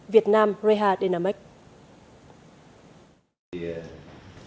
việt nam reha dynamics